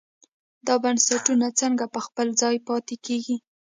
دا بنسټونه څنګه په خپل ځای پاتې کېږي.